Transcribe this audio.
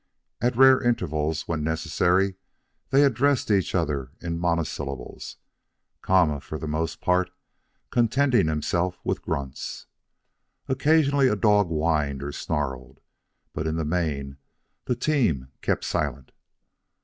At rare intervals, when necessary, they addressed each other in monosyllables, Kama, for the most part, contenting himself with grunts. Occasionally a dog whined or snarled, but in the main the team kept silent.